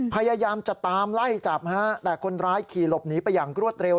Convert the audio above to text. พยายามจะตามไล่จับฮะแต่คนร้ายขี่หลบหนีไปอย่างรวดเร็ว